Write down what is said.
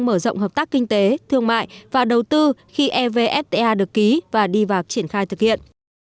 mở rộng hợp tác kinh tế thương mại và đầu tư khi evfta được ký và đi vào triển khai thực hiện